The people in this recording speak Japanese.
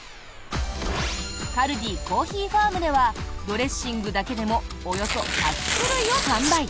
カルディコーヒーファームではドレッシングだけでもおよそ１００種類を販売。